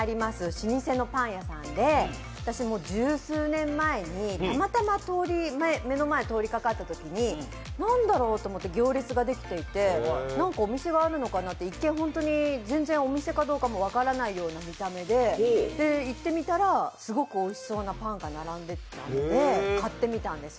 老舗のパン屋さんで私も十数年前に、たまたま目の前を通りかかったときに、何だろうと思って、行列ができていて何かお店があるのかなって一見、本当に全然お店かどうかも分からないような見た目で行ってみたらすごくおいしそうなパンが並んでたんで買ってみたんです。